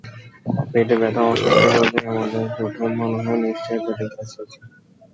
পেটে ব্যথা, অস্বস্তি হলেই আমাদের প্রথম মনে হয়, নিশ্চয়ই পেটে গ্যাস হয়েছে।